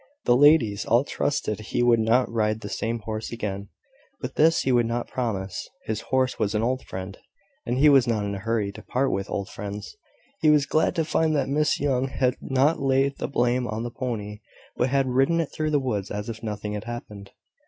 The ladies all trusted he would not ride the same horse again; but this he would not promise: his horse was an old friend; and he was not in a hurry to part with old friends. He was glad to find that Miss Young had not laid the blame on the pony, but had ridden it through the woods as if nothing had happened.